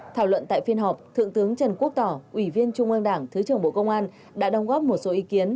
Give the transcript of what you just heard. thảo luận tại phiên họp thượng tướng trần quốc tỏ ủy viên trung ương đảng thứ trưởng bộ công an đã đồng góp một số ý kiến